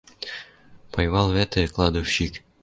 Пайвыл вӓтӹ — кладовщик.